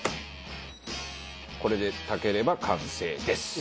これで炊ければ完成です。